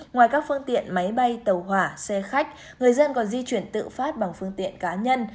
ngoài các phương tiện máy bay tàu hỏa xe khách người dân còn di chuyển tự phát bằng phương tiện cá nhân